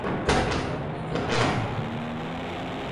তুমি আমার নিতম্ব পছন্দ করতে।